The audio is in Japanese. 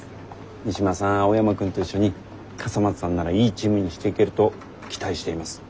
三島さん青山くんと一緒に笠松さんならいいチームにしていけると期待しています。